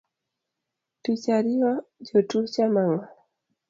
Tich ariyo jotuo chamo ang’o?